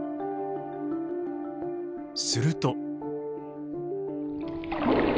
すると。